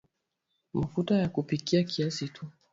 Mafuta ya kupikia kiasi tu